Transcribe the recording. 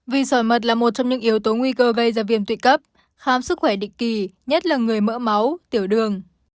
vì sỏi mật là một trong những yếu tố nguy cơ gây ra viêm tụy cấp khám sức khỏe định kỳ nhất là người mỡ máu tiểu đường